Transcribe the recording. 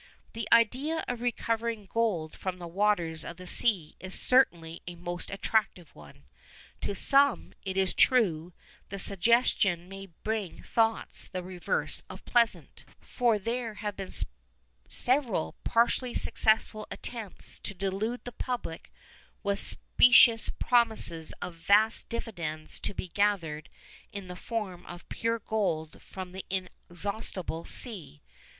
The idea of recovering gold from the waters of the sea is certainly a most attractive one. To some, it is true, the suggestion may bring thoughts the reverse of pleasant, for there have been several partially successful attempts to delude the public with specious promises of vast dividends to be gathered in the form of pure gold from the inexhaustible sea.